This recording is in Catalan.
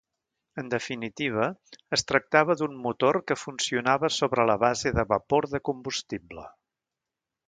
En definitiva, es tractava d'un motor que funcionava sobre la base de vapor de combustible.